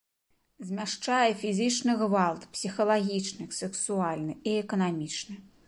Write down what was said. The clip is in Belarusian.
Змяшчае фізічны гвалт, псіхалагічны, сэксуальны і эканамічны.